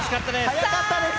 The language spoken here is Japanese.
速かったです。